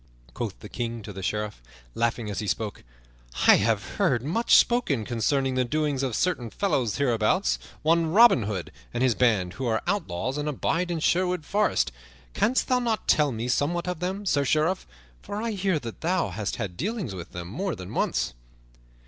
Quoth the King to the Sheriff, laughing as he spoke, "I have heard much spoken concerning the doings of certain fellows hereabouts, one Robin Hood and his band, who are outlaws and abide in Sherwood Forest. Canst thou not tell me somewhat of them, Sir Sheriff? For I hear that thou hast had dealings with them more than once."